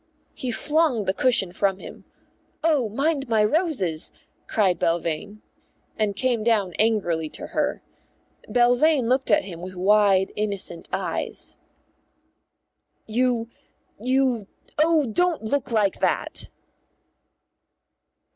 He flung the cushion from him ("Oh, mind my roses," cried Belvane) and came down angrily to her. Belvane looked at him with wide, innocent eyes. "You you oh, don't look like that!"